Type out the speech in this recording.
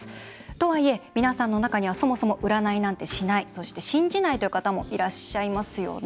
とはいえ、皆さんの中にはそもそも占いなんてしないそして、信じないという方もいらっしゃいますよね。